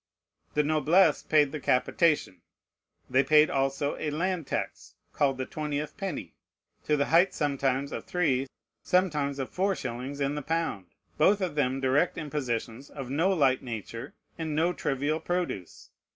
The noblesse paid the capitation. They paid also a land tax, called the twentieth penny, to the height sometimes of three, sometimes of four shillings in the pound: both of them direct impositions, of no light nature, and no trivial produce.